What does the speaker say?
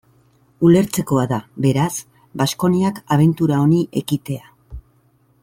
Ulertzekoa da, beraz, Baskoniak abentura honi ekitea.